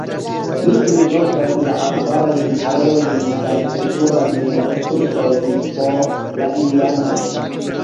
Li prizorgas la arbarajn areojn kaj kulturajn resursojn por la indianoj.